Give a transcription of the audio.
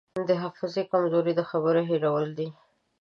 د حافظې کمزوري د خبرې هېرول دي.